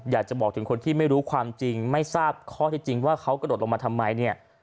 อยากจะบอกถึงคนที่ไม่รู้ความจริงไม่ทราบข้อที่จริงว่าเขากระโดดลงมาทำไมเนี่ย